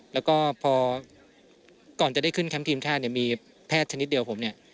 แล้วก็ก่อนจะได้ขึ้นแคมป์ทีมชาติมีแพทย์ชนิดเดียวผม